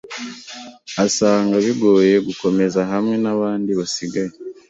Asanga bigoye gukomeza hamwe nabandi basigaye.